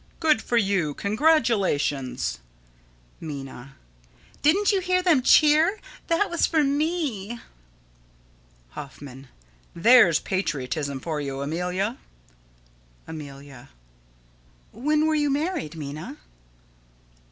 _] Good for you! Congratulations! Minna: Didn't you hear them cheer? That was for me! Hoffman: There's patriotism for you, Amelia! Amelia: When were you married, Minna?